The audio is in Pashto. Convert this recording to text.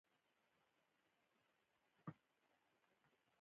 دا په یوه زرو اتو سوو اته نوېم کال په ډسمبر کې شوې وه.